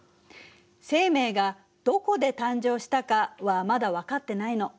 生命がどこで誕生したかはまだ分かってないの。